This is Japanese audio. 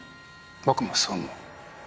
僕もそう思う。